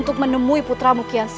aku akan menemui putramu kiasa